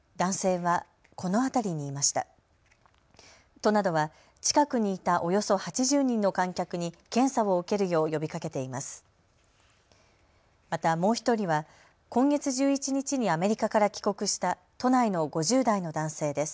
都などは近くにいたおよそ８０人の観客に検査を受けるよう呼びかけています。